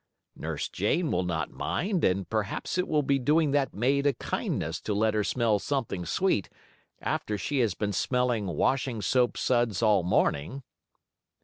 Nurse Jane will not mind, and perhaps it will be doing that maid a kindness to let her smell something sweet, after she has been smelling washing soap suds all morning."